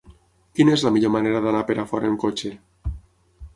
Quina és la millor manera d'anar a Perafort amb cotxe?